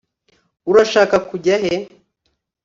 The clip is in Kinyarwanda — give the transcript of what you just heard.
Urashaka kujya he